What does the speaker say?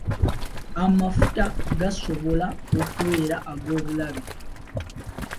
Amafuta gasobola okubeera ag'obulabe.